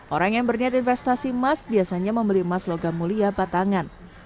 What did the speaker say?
orang yang berniat investasi emas biasanya membeli emas logam mulia batangan